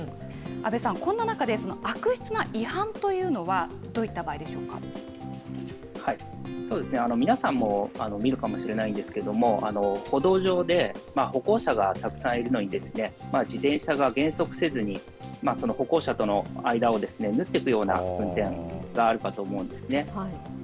阿部さん、こんな中で、悪質な違反というのは、どういった場合で皆さんも見るかもしれないんですけども、歩道上で歩行者がたくさんいるのに、自転車が減速せずに、歩行者との間を縫っていくような運転があるかと思うんですね。